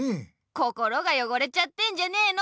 心がよごれちゃってんじゃねの。